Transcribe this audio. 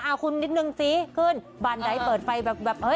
เอาคุณนิดนึงสิขึ้นบ้านใดเปิดไฟแบบเอ้